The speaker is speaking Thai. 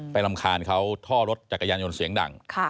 รำคาญเขาท่อรถจักรยานยนต์เสียงดัง